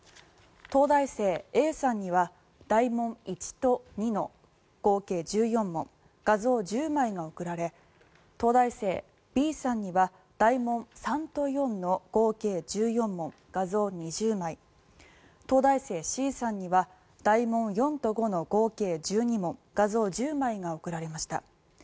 東大生Ａさんには大問１と２の合計１４問画像１０枚が送られ東大生Ｂさんには大問３と４の合計１４問画像２０枚東大生Ｃさんには大問４と５の合計１２問画像１０枚が送られました。